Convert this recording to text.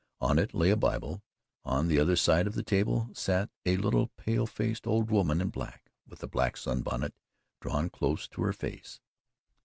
On it lay a Bible, on the other side of the table sat a little pale faced old woman in black with a black sun bonnet drawn close to her face.